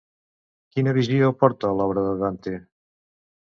Quina visió aporta l'obra de Dante?